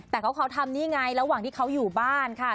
แต่เขาทำนี่ไงระหว่างที่เขาอยู่บ้านค่ะ